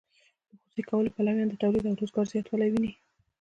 د خصوصي کولو پلویان د تولید او روزګار زیاتوالی ویني.